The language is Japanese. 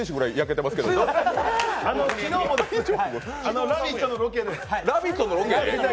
昨日も「ラヴィット！」のロケで。